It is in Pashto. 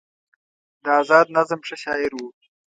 د ازاد نظم ښه شاعر و